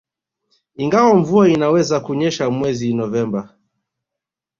Ingawa mvua inaweza kunyesha mwezi Novemba